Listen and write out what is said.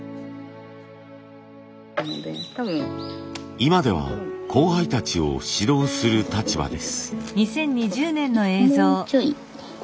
今では後輩たちを指導する立場です。